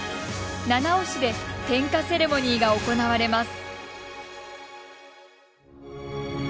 七尾市で点火セレモニーが行われます。